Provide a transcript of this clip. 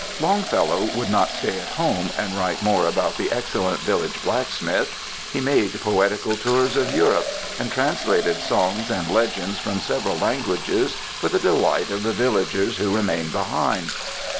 _" Longfellow would not stay at home and write more about the excellent village blacksmith; he made poetical tours of Europe and translated songs and legends from several languages for the delight of the villagers who remained behind.